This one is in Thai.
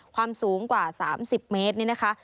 ความสูงกว่า๓๐เมตรนี่นะคะ